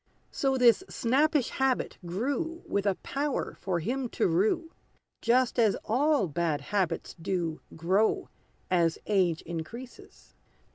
So, this snappish habit grew With a power for him to rue; Just as all bad habits do Grow, as age increases.